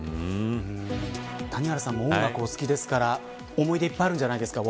谷原さんも音楽、お好きですから思い出いっぱいあるんじゃないですか。